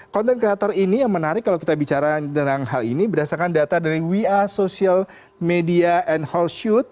konten kreator ini yang menarik kalau kita bicara tentang hal ini berdasarkan data dari wa social media and holl shoot